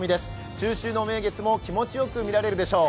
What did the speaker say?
中秋の名月も気持ちよく見られるでしょう。